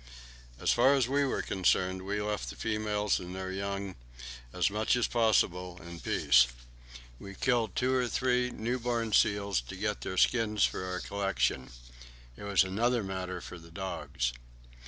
As far as we were concerned, we left the females and their young as much as possible in peace. We killed two or three new born seals to get the skins for our collection. It was another matter with the dogs.